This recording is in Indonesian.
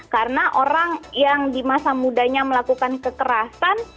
karena orang yang di masa mudanya melakukan kekerasan